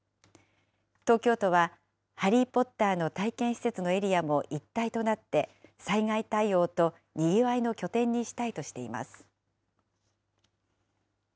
東京都はハリー・ポッターの体験施設のエリアも一体となって、災害対応とにぎわいの拠点にしたいとしています。